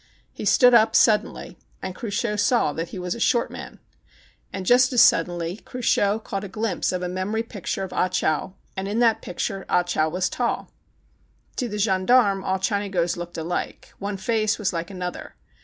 He stood up suddenly, and Cruchot saw that he was a short man. And just as suddenly Cruchot caught a glimpse of a memory picture THE CHINAGO 175 of Ah Chow, and In that picture Ah Chow was tall. To the gendarme all Chinagos looked alike. One face was like another.